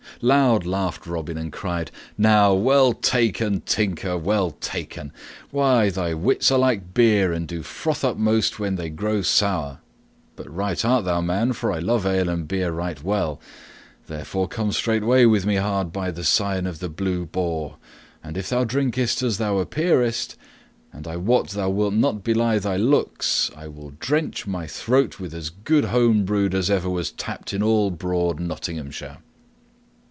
Loud laughed Robin and cried, "Now well taken, Tinker, well taken! Why, thy wits are like beer, and do froth up most when they grow sour! But right art thou, man, for I love ale and beer right well. Therefore come straightway with me hard by to the Sign of the Blue Boar, and if thou drinkest as thou appearest and I wot thou wilt not belie thy looks I will drench thy throat with as good homebrewed as ever was tapped in all broad Nottinghamshire."